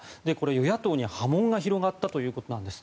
与野党に波紋が広がったということなんです。